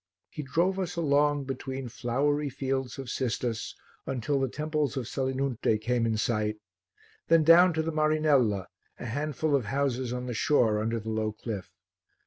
He drove us along between flowery fields of cistus until the temples of Selinunte came in sight, then down to the Marinella, a handful of houses on the shore under the low cliff.